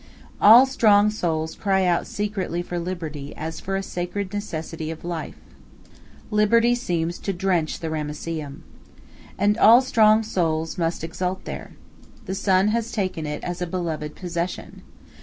All strong souls cry out secretly for liberty as for a sacred necessity of life. Liberty seems to drench the Ramesseum. And all strong souls must exult there. The sun has taken it as a beloved possession.